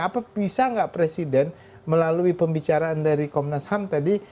apa bisa nggak presiden melalui pembicaraan dari komnas ham tadi